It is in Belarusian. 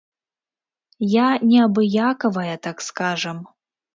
Я неабыякавая, так скажам.